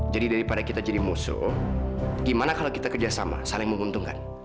jadi daripada kita jadi musuh gimana kalau kita kerjasama saling menguntungkan